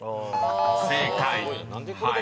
［正解］